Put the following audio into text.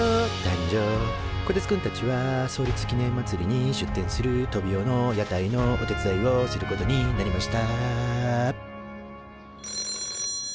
こてつくんたちは創立記念まつりに出店するトビオの屋台のお手伝いをすることになりました